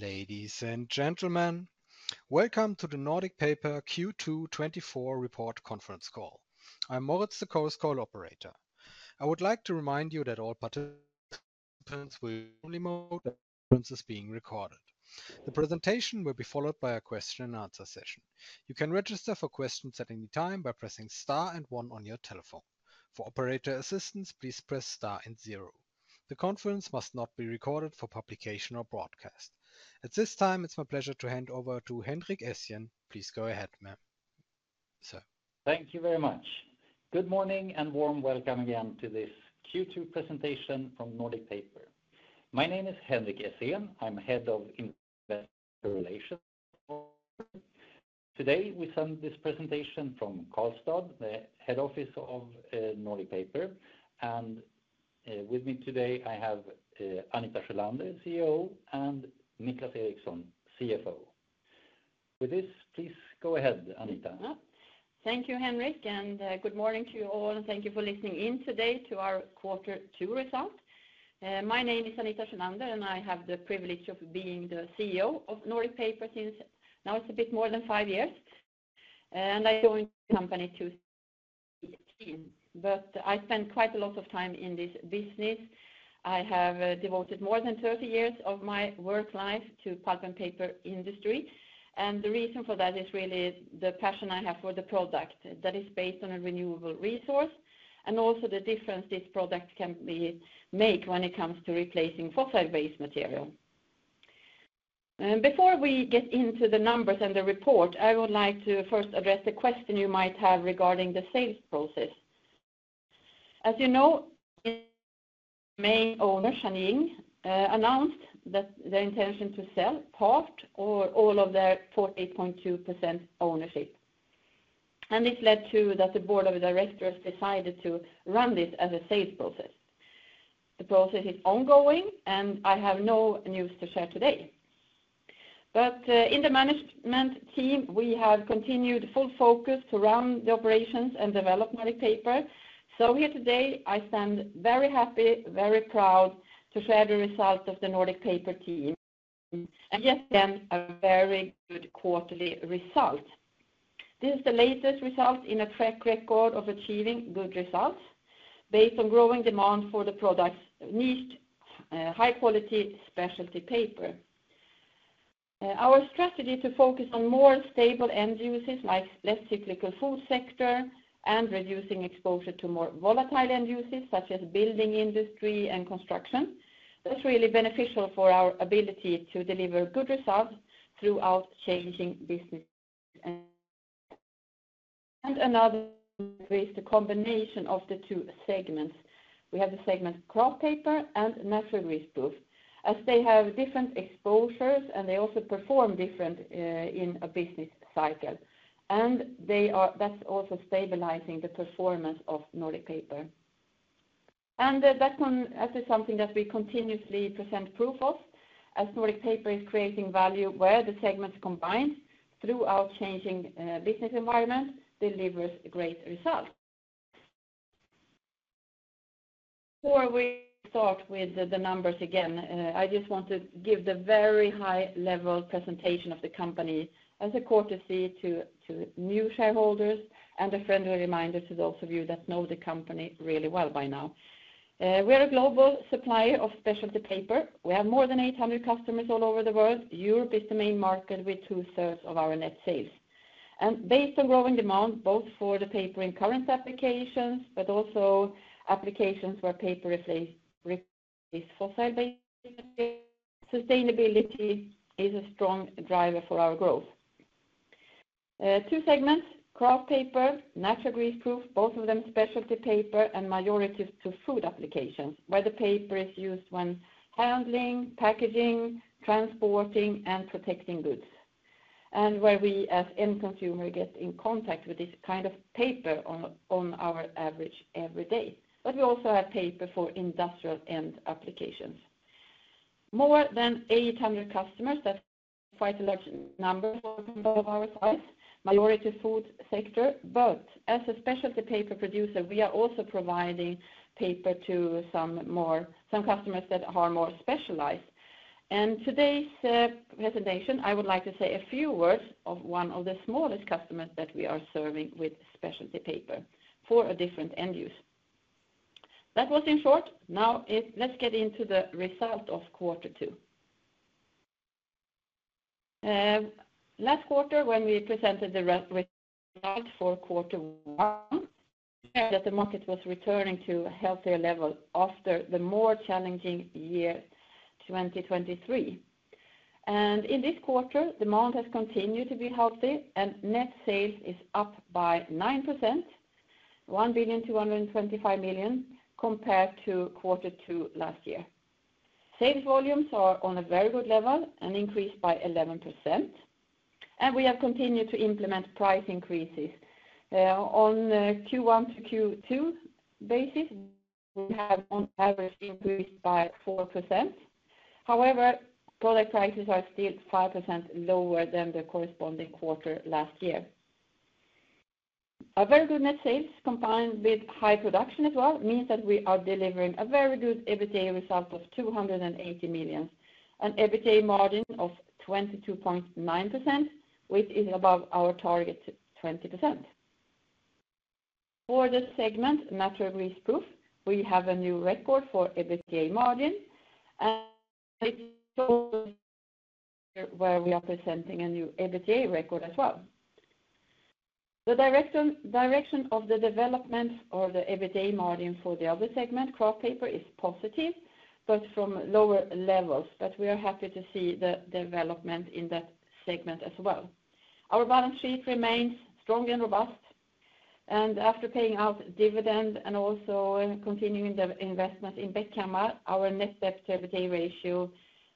Ladies and gentlemen, welcome to the Nordic Paper Q2 2024 report conference call. I'm Moritz, the conference call operator. I would like to remind you that all participants will be in listen-only mode; the conference is being recorded. The presentation will be followed by a question and answer session. You can register for questions at any time by pressing star and one on your telephone. For operator assistance, please press star and zero. The conference may not be recorded for publication or broadcast. At this time, it's my pleasure to hand over to Henrik Essén. Please go ahead, ma'am, sir. Thank you very much. Good morning, and warm welcome again to this Q2 presentation from Nordic Paper. My name is Henrik Essén. I'm Head of Investor Relations. Today, we send this presentation from Karlstad, the head office of Nordic Paper, and with me today, I have Anita Sjölander, CEO, and Niclas Eriksson, CFO. With this, please go ahead, Anita. Thank you, Henrik, and good morning to you all, and thank you for listening in today to our quarter two result. My name is Anita Sjölander, and I have the privilege of being the CEO of Nordic Paper since now it's a bit more than five years, and I joined the company two years since. But I spent quite a lot of time in this business. I have devoted more than 30 years of my work life to pulp and paper industry, and the reason for that is really the passion I have for the product that is based on a renewable resource, and also the difference this product can make when it comes to replacing fossil-based material. Before we get into the numbers and the report, I would like to first address the question you might have regarding the sales process. As you know, main owner, Shanying, announced that their intention to sell part or all of their 48.2% ownership. And this led to that the board of directors decided to run this as a sales process. The process is ongoing, and I have no news to share today. But, in the management team, we have continued full focus to run the operations and develop Nordic Paper. So here today, I stand very happy, very proud to share the results of the Nordic Paper team, and yet again, a very good quarterly result. This is the latest result in a track record of achieving good results based on growing demand for the products niche, high-quality specialty paper. Our strategy to focus on more stable end uses, like less cyclical food sector and reducing exposure to more volatile end uses, such as building industry and construction. That's really beneficial for our ability to deliver good results throughout changing business. And another is the combination of the two segments. We have the segment kraft paper and natural greaseproof, as they have different exposures, and they also perform different in a business cycle. That's also stabilizing the performance of Nordic Paper. And that one, that is something that we continuously present proof of, as Nordic Paper is creating value where the segments combined throughout changing business environment delivers great results. Before we start with the numbers again, I just want to give the very high level presentation of the company as a courtesy to new shareholders and a friendly reminder to those of you that know the company really well by now. We are a global supplier of specialty paper. We have more than 800 customers all over the world. Europe is the main market with two-thirds of our net sales. And based on growing demand, both for the paper in current applications, but also applications where paper is a fossil-based, sustainability is a strong driver for our growth. Two segments, kraft paper, natural greaseproof, both of them specialty paper and majority to food applications, where the paper is used when handling, packaging, transporting, and protecting goods, and where we, as end consumer, get in contact with this kind of paper on our average every day. But we also have paper for industrial end applications. More than 800 customers, that's quite a large number of our size, majority food sector. But as a specialty paper producer, we are also providing paper to some more, some customers that are more specialized. And today's presentation, I would like to say a few words of one of the smallest customers that we are serving with specialty paper for a different end use. That was in short. Now, let's get into the result of quarter two. Last quarter, when we presented the results for quarter one, that the market was returning to a healthier level after the more challenging year, 2023. And in this quarter, demand has continued to be healthy, and net sales is up by 9%, 1,225 million, compared to quarter two last year. Sales volumes are on a very good level and increased by 11%, and we have continued to implement price increases. On Q1 to Q2 basis, we have on average increased by 4%. However, product prices are still 5% lower than the corresponding quarter last year. A very good net sales combined with high production as well, means that we are delivering a very good EBITDA result of 280 million, an EBITDA margin of 22.9%, which is above our target, 20%. For the segment, Natural Greaseproof, we have a new record for EBITDA margin, and where we are presenting a new EBITDA record as well. The direction of the development or the EBITDA margin for the other segment, kraft paper, is positive, but from lower levels, but we are happy to see the development in that segment as well. Our balance sheet remains strong and robust, and after paying out dividend and also continuing the investment in Bäckhammar, our net debt to EBITDA ratio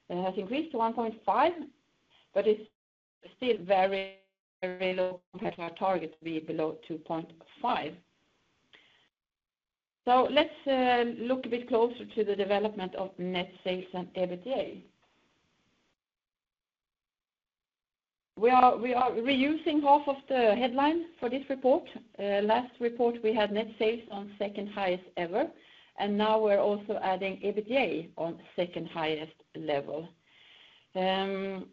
has increased to 1.5, but it's still very, very low compared to our target to be below 2.5. So let's look a bit closer to the development of net sales and EBITDA. We are reusing half of the headline for this report. Last report, we had net sales on second highest ever, and now we're also adding EBITDA on second highest level. Net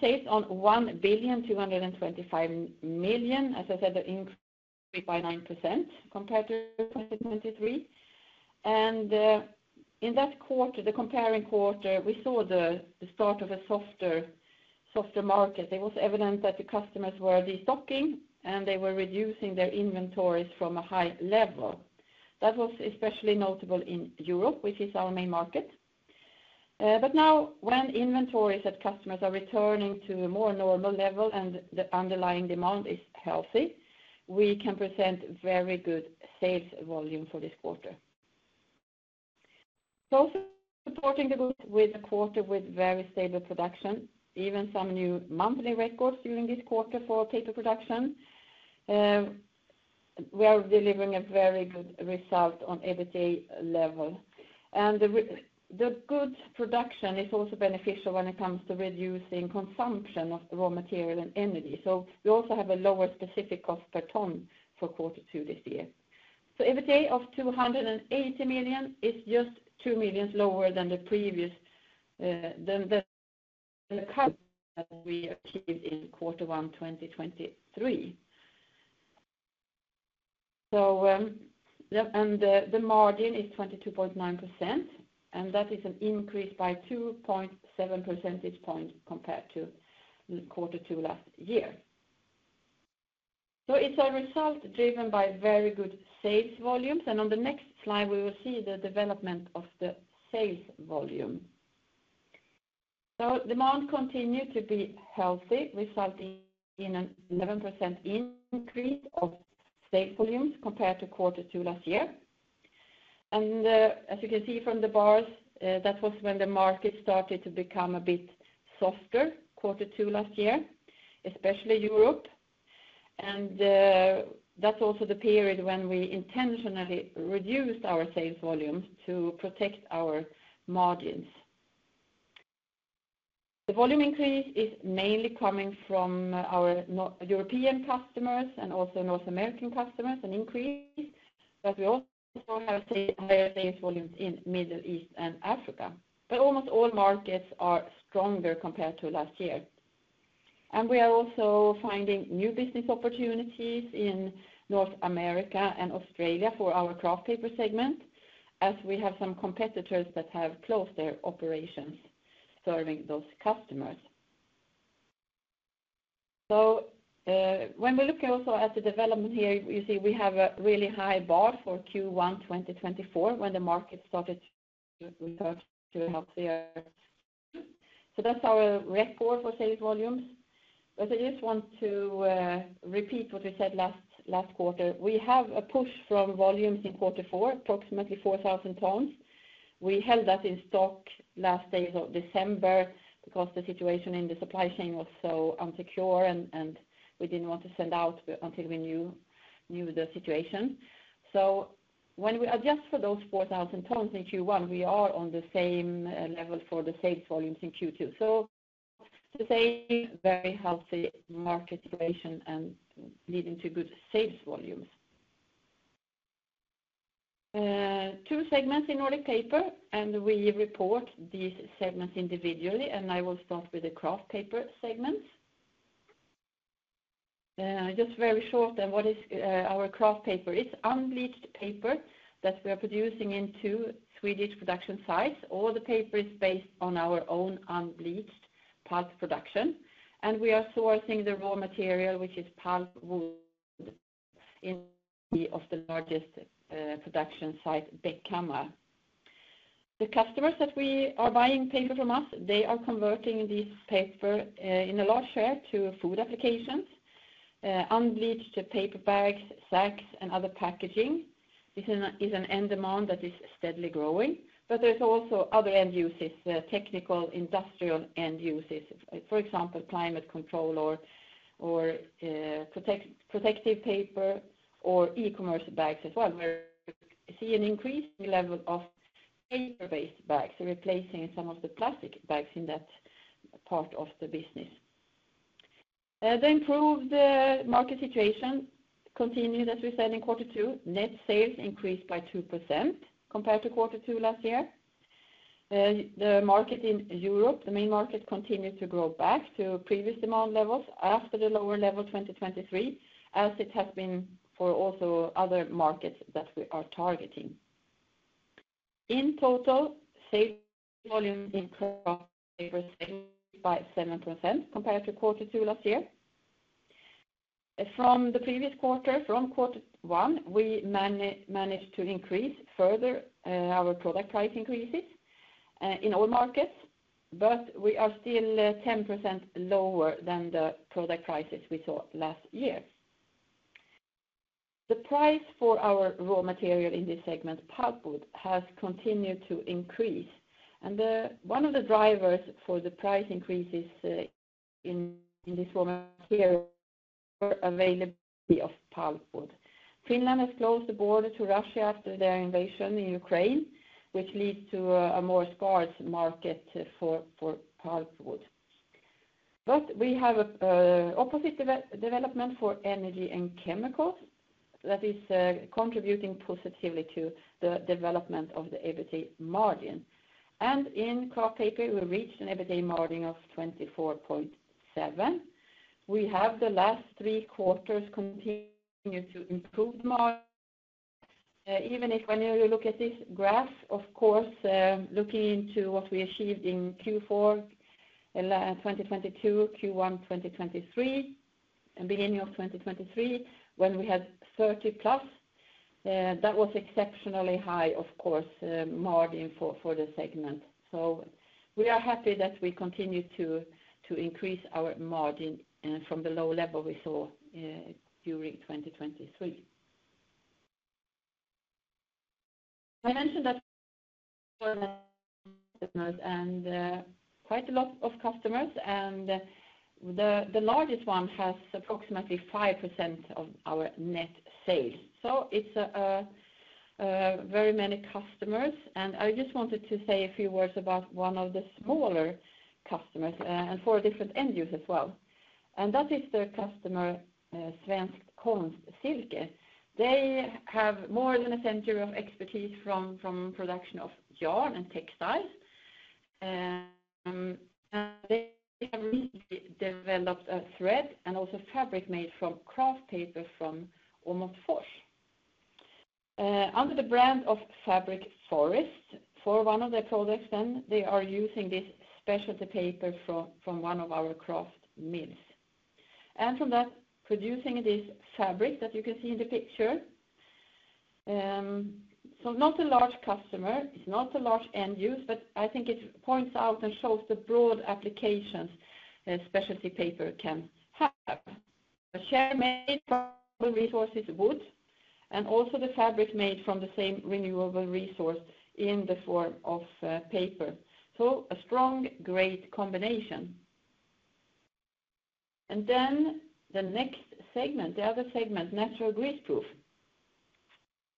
sales on 1,225 million, as I said, the increase by 9% compared to 2023. In that quarter, the comparing quarter, we saw the start of a softer market. It was evident that the customers were restocking, and they were reducing their inventories from a high level. That was especially notable in Europe, which is our main market. But now, when inventories at customers are returning to a more normal level and the underlying demand is healthy, we can present very good sales volume for this quarter. Also supporting the group with a quarter with very stable production, even some new monthly records during this quarter for paper production. We are delivering a very good result on EBITDA level. And the good production is also beneficial when it comes to reducing consumption of raw material and energy. So we also have a lower specific cost per ton for quarter two this year. So EBITDA of 280 million is just 2 million lower than the previous than the current we achieved in quarter one, 2023. So, and the margin is 22.9%, and that is an increase by 2.7 percentage points compared to quarter two last year. So it's a result driven by very good sales volumes, and on the next slide, we will see the development of the sales volume. So demand continued to be healthy, resulting in an 11% increase of sales volumes compared to quarter two last year. And, as you can see from the bars, that was when the market started to become a bit softer, quarter two last year, especially Europe. And, that's also the period when we intentionally reduced our sales volumes to protect our margins. The volume increase is mainly coming from our non-European customers and also North American customers, an increase, but we also have higher sales volumes in Middle East and Africa. But almost all markets are stronger compared to last year. And we are also finding new business opportunities in North America and Australia for our kraft paper segment, as we have some competitors that have closed their operations serving those customers. So, when we look also at the development here, you see we have a really high bar for Q1 2024, when the market started to look healthier. So that's our record for sales volumes. But I just want to repeat what we said last quarter. We have a push from volumes in quarter four, approximately 4,000 tons. We held that in stock last days of December because the situation in the supply chain was so unsecure, and we didn't want to send out until we knew the situation. So when we adjust for those 4,000 tons in Q1, we are on the same level for the sales volumes in Q2. So to say, very healthy market situation and leading to good sales volumes. Two segments in Nordic Paper, and we report these segments individually, and I will start with the kraft paper segment. Just very short, and what is our kraft paper? It's unbleached paper that we are producing in two Swedish production sites. All the paper is based on our own unbleached pulp production, and we are sourcing the raw material, which is pulpwood, in one of the largest production site, Bäckhammar. The customers that are buying paper from us, they are converting this paper in a large share to food applications, unbleached paper bags, sacks, and other packaging. This is an end demand that is steadily growing, but there's also other end uses, technical, industrial end uses, for example, climate control or protective paper, or e-commerce bags as well, where we see an increasing level of paper-based bags, replacing some of the plastic bags in that part of the business. As the improved market situation continued, as we said in quarter two, net sales increased by 2% compared to quarter two last year. The market in Europe, the main market, continued to grow back to previous demand levels after the lower level 2023, as it has been for also other markets that we are targeting. In total, sales volume increased by 7% compared to quarter two last year. From the previous quarter, from quarter one, we managed to increase further our product price increases in all markets, but we are still 10% lower than the product prices we saw last year. The price for our raw material in this segment, pulpwood, has continued to increase, and one of the drivers for the price increases in this raw material, availability of pulpwood. Finland has closed the border to Russia after their invasion in Ukraine, which leads to a more scarce market for pulpwood. But we have a opposite development for energy and chemicals that is contributing positively to the development of the EBITDA margin. And in kraft paper, we reached an EBITDA margin of 24.7. We have the last three quarters continued to improve margin. Even if when you look at this graph, of course, looking into what we achieved in Q4 2022, Q1 2023, and beginning of 2023, when we had 30+, that was exceptionally high, of course, margin for the segment. So we are happy that we continue to increase our margin from the low level we saw during 2023. I mentioned that and quite a lot of customers, and the largest one has approximately 5% of our net sales. So it's very many customers, and I just wanted to say a few words about one of the smaller customers, and for different end users as well, and that is the customer, Svenskt Konstsilke. They have more than a century of expertise from production of yarn and textiles, and they have recently developed a thread and also fabric made from kraft paper from Åmotfors. Under the brand of Fabric Forest, for one of their products, then they are using this specialty paper from one of our kraft mills. And from that, producing this fabric that you can see in the picture. So not a large customer, it's not a large end use, but I think it points out and shows the broad applications that specialty paper can have. A chair made from renewable resources, wood, and also the fabric made from the same renewable resource in the form of paper. So a strong, great combination. And then the next segment, the other segment, Natural Greaseproof. Natural Greaseproof,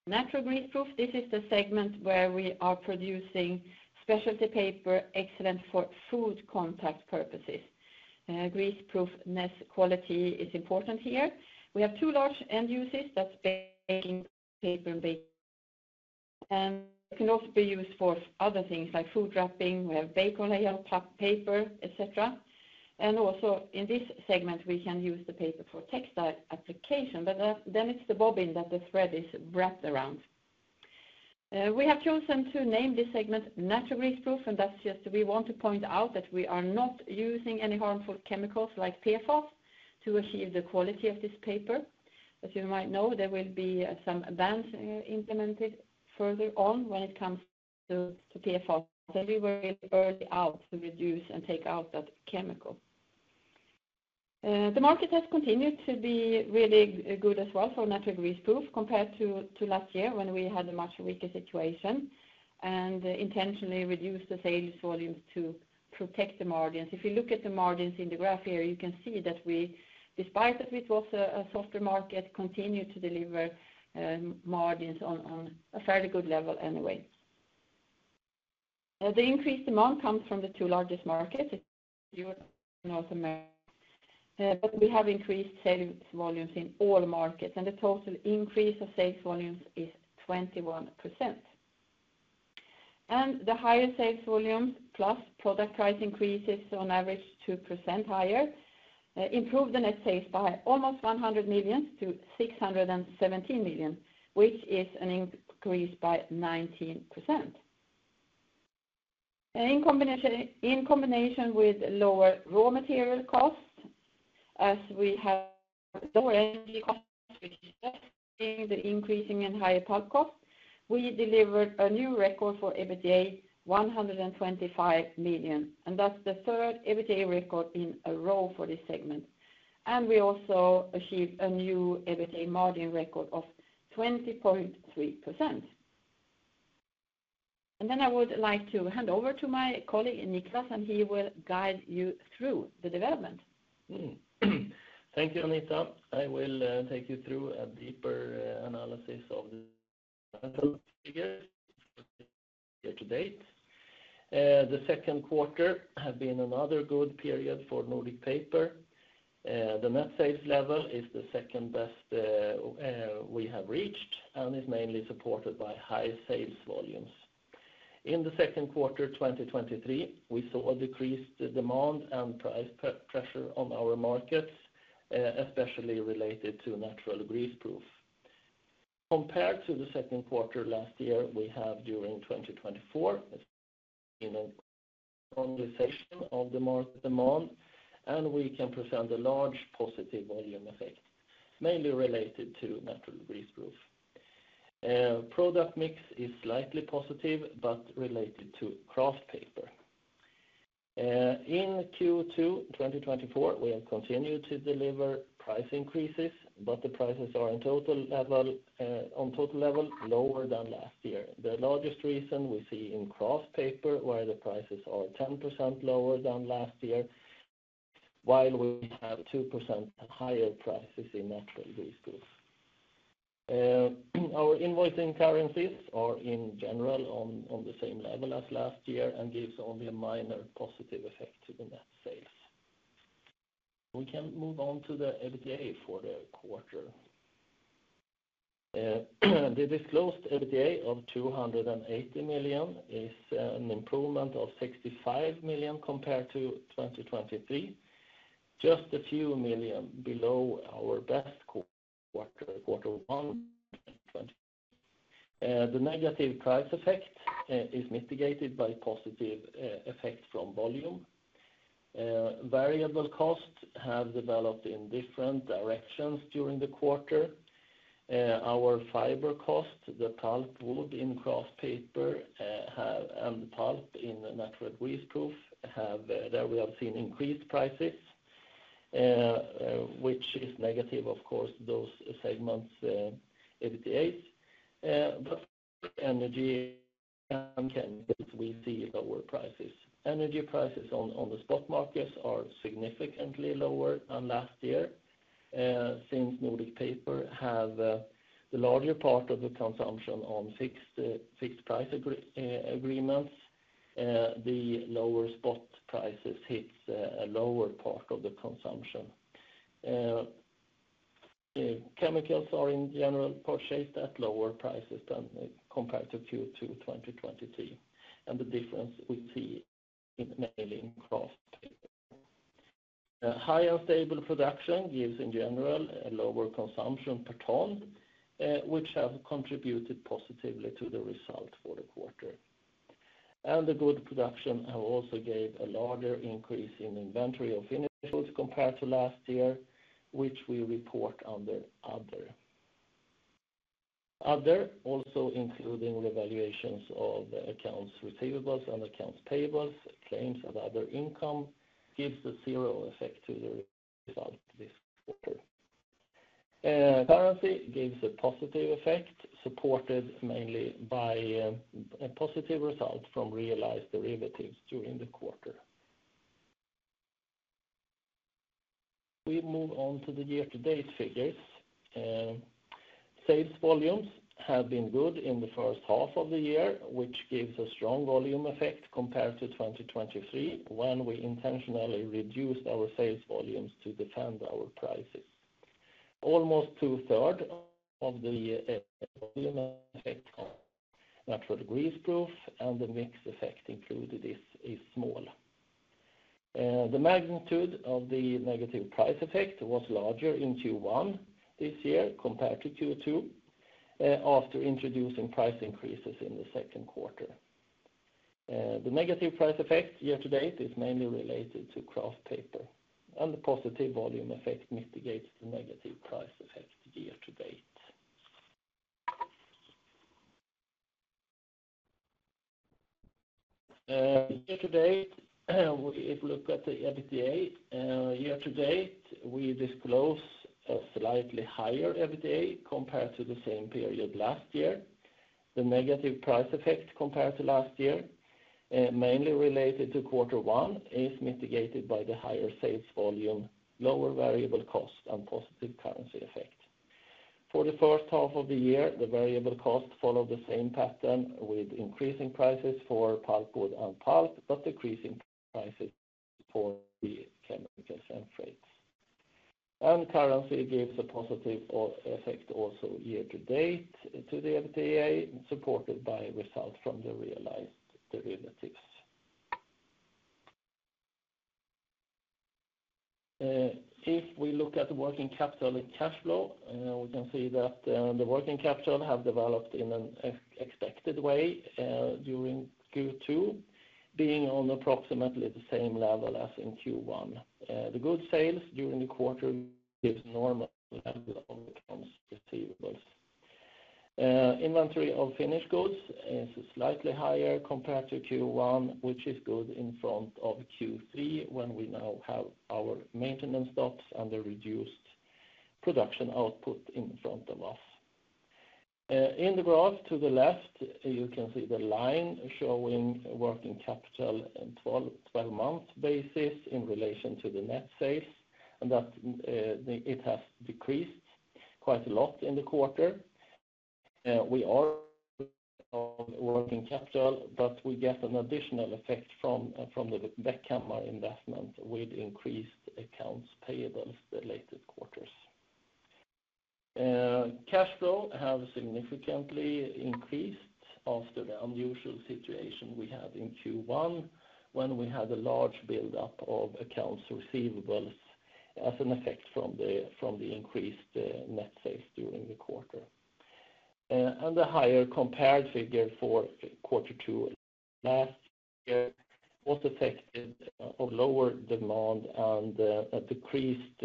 this is the segment where we are producing specialty paper, excellent for food contact purposes. Greaseproofness quality is important here. We have two large end uses, that's baking paper and bacon, and can also be used for other things like food wrapping, we have bacon layout, cup paper, et cetera. And also in this segment, we can use the paper for textile application, but then it's the bobbin that the thread is wrapped around. We have chosen to name this segment Natural Greaseproof, and that's just we want to point out that we are not using any harmful chemicals like PFAS to achieve the quality of this paper. As you might know, there will be some bans implemented further on when it comes to PFAS, everywhere, early out to reduce and take out that chemical. The market has continued to be really good as well for Natural Greaseproof compared to last year, when we had a much weaker situation, and intentionally reduced the sales volume to protect the margins. If you look at the margins in the graph here, you can see that we, despite that it was a softer market, continued to deliver margins on a fairly good level anyway. The increased demand comes from the two largest markets, Europe and North America. But we have increased sales volumes in all markets, and the total increase of sales volumes is 21%. The higher sales volumes, plus product price increases on average 2% higher, improved the net sales by almost 100 million to 617 million, which is an increase by 19%. In combination, in combination with lower raw material costs, as we have lower energy costs, which is just the increasing and higher pulp costs, we delivered a new record for EBITDA, 125 million, and that's the third EBITDA record in a row for this segment. We also achieved a new EBITDA margin record of 20.3%. Then I would like to hand over to my colleague, Niclas, and he will guide you through the development. Thank you, Anita. I will take you through a deeper analysis of the figures year to date. The second quarter have been another good period for Nordic Paper. The net sales level is the second best we have reached, and is mainly supported by high sales volumes. In the second quarter, 2023, we saw a decreased demand and price pressure on our markets, especially related to natural greaseproof. Compared to the second quarter last year, we have during 2024, you know, conversion of demand, demand, and we can present a large positive volume effect, mainly related to natural greaseproof. Product mix is slightly positive, but related to kraft paper. In Q2, 2024, we have continued to deliver price increases, but the prices are in total level, on total level, lower than last year. The largest reason we see in kraft paper, where the prices are 10% lower than last year, while we have 2% higher prices in natural greaseproof. Our invoicing currencies are in general on, on the same level as last year and gives only a minor positive effect to the net sales. We can move on to the EBITDA for the quarter. The disclosed EBITDA of 280 million is an improvement of 65 million compared to 2023, just a few million below our best quarter, quarter one. The negative price effect is mitigated by positive effect from volume. Variable costs have developed in different directions during the quarter. Our fiber cost, the pulpwood in kraft paper and pulp in the natural greaseproof, there we have seen increased prices, which is negative, of course, those segments' EBITDA. But energy, we see lower prices. Energy prices on the spot markets are significantly lower than last year. Since Nordic Paper have the larger part of the consumption on fixed price agreements, the lower spot prices hits a lower part of the consumption. Chemicals are in general purchased at lower prices than compared to Q2 2023, and the difference we see mainly in kraft. High unstable production gives in general a lower consumption per ton, which have contributed positively to the result for the quarter. The good production have also gave a larger increase in inventory of finished goods compared to last year, which we report under other. Other, also including revaluations of accounts receivables and accounts payables, claims and other income, gives the zero effect to the result this quarter. Currency gives a positive effect, supported mainly by a positive result from realized derivatives during the quarter. We move on to the year to date figures. Sales volumes have been good in the first half of the year, which gives a strong volume effect compared to 2023, when we intentionally reduced our sales volumes to defend our prices. Almost two-third of the year, natural greaseproof and the mix effect included is, is small. The magnitude of the negative price effect was larger in Q1 this year compared to Q2, after introducing price increases in the second quarter. The negative price effect year to date is mainly related to kraft paper, and the positive volume effect mitigates the negative price effect year to date. Year to date, if we look at the EBITDA, year to date, we disclose a slightly higher EBITDA compared to the same period last year. The negative price effect compared to last year, mainly related to quarter one, is mitigated by the higher sales volume, lower variable cost, and positive currency effect. For the first half of the year, the variable cost followed the same pattern, with increasing prices for pulpwood and pulp, but decreasing prices for the chemicals and freights. And currency gives a positive effect also year to date to the EBITDA, supported by results from the realized derivatives. If we look at the working capital and cash flow, we can see that the working capital have developed in an expected way during Q2, being on approximately the same level as in Q1. The good sales during the quarter gives normal levels of accounts receivables. Inventory of finished goods is slightly higher compared to Q1, which is good in front of Q3, when we now have our maintenance stops and the reduced production output in front of us. In the graph to the left, you can see the line showing working capital in twelve-month basis in relation to the net sales, and that it has decreased quite a lot in the quarter. We are releasing working capital, but we get an additional effect from the Bäckhammar investment with increased accounts payables the latest quarters. Cash flow has significantly increased after the unusual situation we had in Q1, when we had a large buildup of accounts receivables as an effect from the increased net sales during the quarter. The higher compared figure for quarter two last year was affected of lower demand and a decreased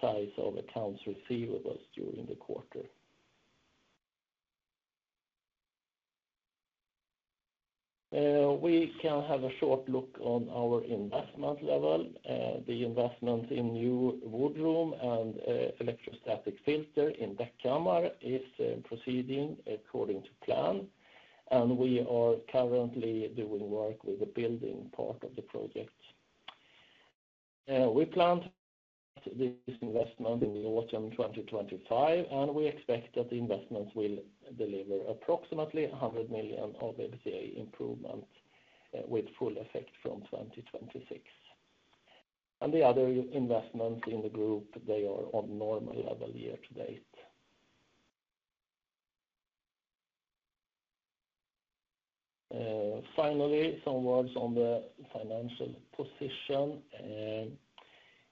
size of accounts receivables during the quarter. We can have a short look on our investment level. The investment in new wood room and electrostatic filter in Bäckhammar is proceeding according to plan, and we are currently doing work with the building part of the project. We planned this investment in autumn 2025, and we expect that the investments will deliver approximately 100 million of EBITDA improvement, with full effect from 2026. The other investments in the group, they are on normal level year to date. Finally, some words on the financial position.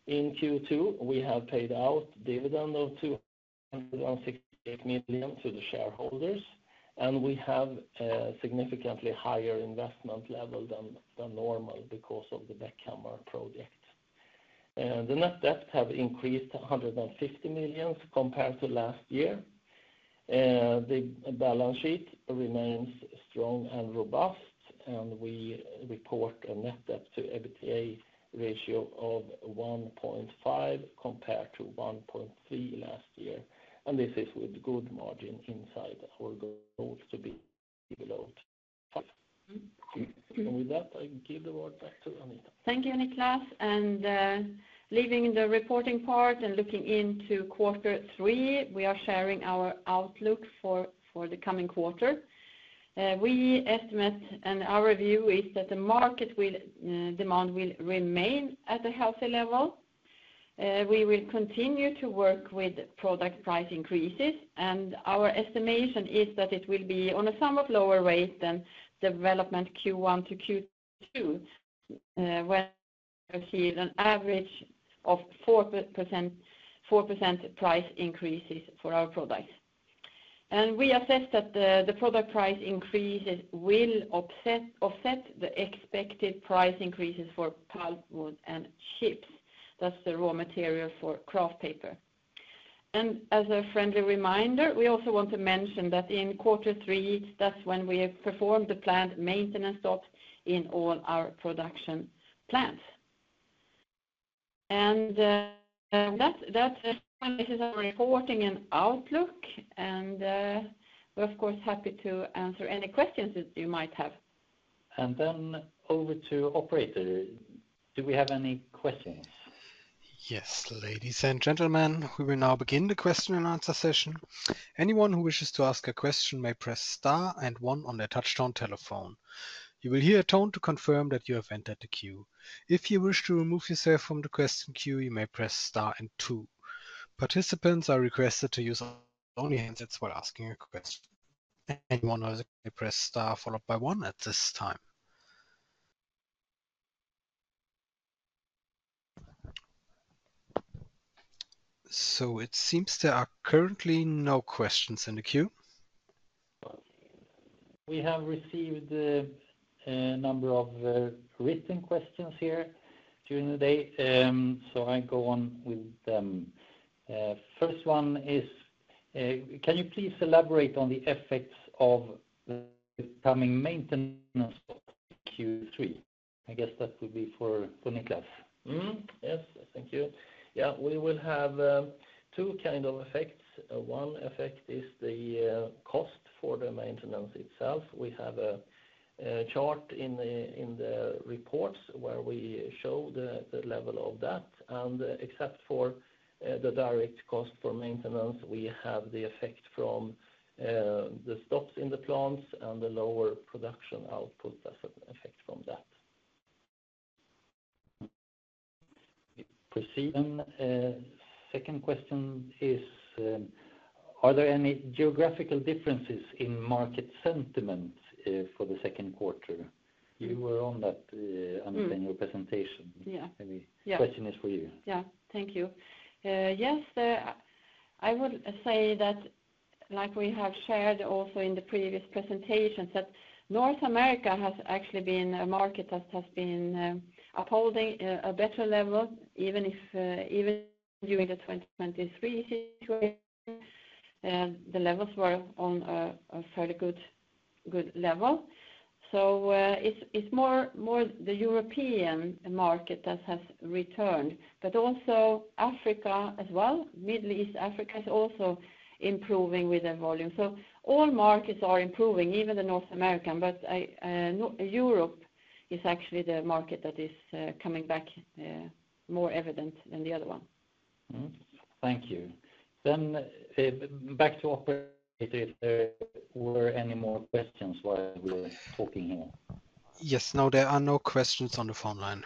In Q2, we have paid out dividend of 268 million to the shareholders, and we have a significantly higher investment level than, than normal because of the Bäckhammar project. The net debt have increased 150 million compared to last year. The balance sheet remains strong and robust, and we report a net debt to EBITDA ratio of 1.5, compared to 1.3 last year, and this is with good margin inside our goals to be below 5. With that, I give the word back to Anita. Thank you, Niclas. Leaving the reporting part and looking into quarter three, we are sharing our outlook for the coming quarter. We estimate, and our view is that the market will demand will remain at a healthy level. We will continue to work with product price increases, and our estimation is that it will be on a somewhat lower rate than development Q1 to Q2, where we see an average of 4%, 4% price increases for our products. We assess that the product price increases will offset the expected price increases for pulpwood and chips. That's the raw material for kraft paper. As a friendly reminder, we also want to mention that in quarter three, that's when we have performed the planned maintenance stop in all our production plants. And, that's this is our reporting and outlook, and, we're of course happy to answer any questions that you might have. And then over to operator. Do we have any questions? Yes, ladies and gentlemen, we will now begin the question and answer session. Anyone who wishes to ask a question may press star and one on their touchtone telephone. You will hear a tone to confirm that you have entered the queue. If you wish to remove yourself from the question queue, you may press star and two. Participants are requested to use only handsets while asking a question. Anyone press star followed by one at this time. So it seems there are currently no questions in the queue. We have received a number of written questions here during the day, so I go on with them. First one is: Can you please elaborate on the effects of the coming maintenance Q3? I guess that would be for Niclas. Mm-hmm. Yes. Thank you. Yeah, we will have two kind of effects. One effect is the cost for the maintenance itself. We have a chart in the reports where we show the level of that. And except for the direct cost for maintenance, we have the effect from the stops in the plants and the lower production output effect from that. Proceed. Second question is: Are there any geographical differences in market sentiment for the second quarter? You were on that, on your presentation. Yeah. Any question is for you. Yeah. Thank you. Yes, I would say that, like we have shared also in the previous presentations, that North America has actually been a market that has been upholding a better level, even if even during the 2023 situation, the levels were on a fairly good level. So, it's more the European market that has returned, but also Africa as well. Middle East, Africa is also improving with their volume. So all markets are improving, even the North American, but Europe is actually the market that is coming back more evident than the other one. Mm-hmm. Thank you. Then, back to operator, if there were any more questions while we were talking here? Yes. No, there are no questions on the phone line.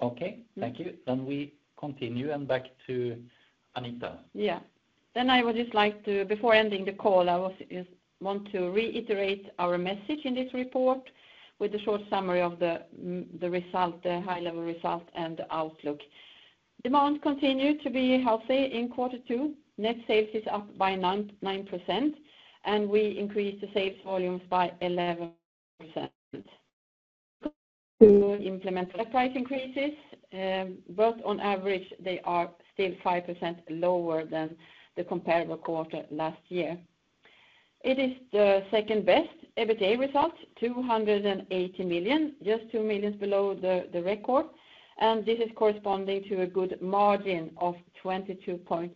Okay, thank you. Then we continue, and back to Anita. Yeah. Then I would just like to, before ending the call, I also just want to reiterate our message in this report with a short summary of the result, the high-level result, and the outlook. Demand continued to be healthy in quarter two. Net sales is up by 9.9%, and we increased the sales volumes by 11%. To implement the price increases, but on average, they are still 5% lower than the comparable quarter last year. It is the second-best EBITDA result, 280 million, just 2 million below the record, and this is corresponding to a good margin of 22.9%.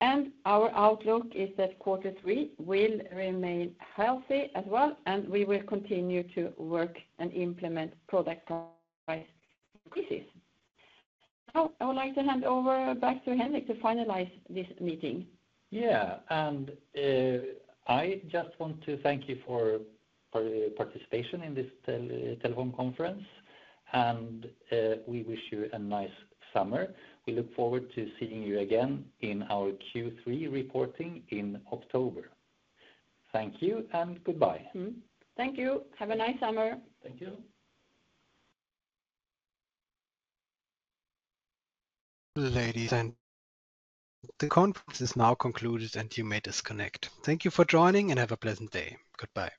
And our outlook is that quarter three will remain healthy as well, and we will continue to work and implement product price increases. Now, I would like to hand over back to Henrik to finalize this meeting. Yeah, and I just want to thank you for your participation in this telephone conference, and we wish you a nice summer. We look forward to seeing you again in our Q3 reporting in October. Thank you and goodbye. Mm-hmm. Thank you. Have a nice summer. Thank you. Ladies and... The conference is now concluded, and you may disconnect. Thank you for joining, and have a pleasant day. Goodbye.